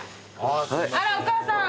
あらお母さん